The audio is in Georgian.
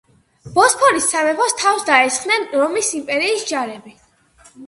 ბოსფორის სამეფოს თავს დაესხნენ რომის იმპერიის ჯარები.